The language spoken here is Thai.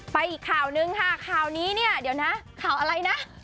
อีกข่าวนึงค่ะข่าวนี้เนี่ยเดี๋ยวนะข่าวอะไรนะ